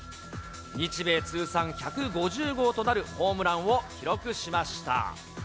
日米通算１５０号となるホームランを記録しました。